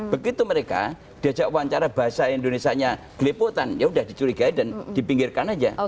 begitu mereka diajak wawancara bahasa indonesia nya geliputan yaudah dicurigai dan dipinggirkan aja